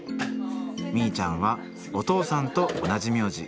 みいちゃんはお父さんと同じ名字。